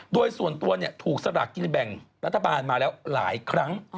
โดยส่วนตัวถูกสลักรัฐบาลมาแล้วหลายครั้ง